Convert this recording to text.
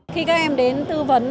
khi các em đến tư vấn